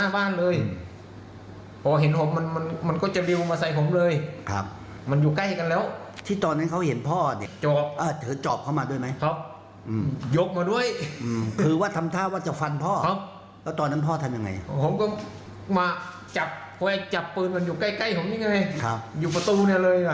ผมก็มาจับไว้จับปืนมันอยู่ใกล้ใกล้ของนี่ไงครับอยู่ประตูนี่เลยอ่ะ